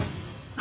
あ！